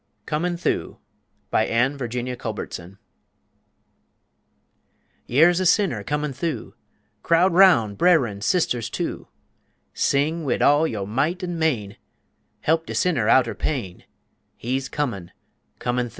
COMIN' THU BY ANNE VIRGINIA CULBERTSON Yer's a sinner comin' thu, Crowd roun', bre'ren, sisters, too, Sing wid all yo' might an' main, He'p de sinner out er pain, He's comin', comin' thu.